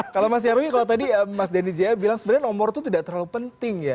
kalau mas nyarwi kalau tadi mas denny jaya bilang sebenarnya nomor itu tidak terlalu penting ya